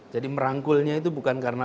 jadi merangkulnya itu bukan karena